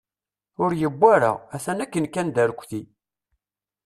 Ur yewwa ara, atan akken kan d arekti.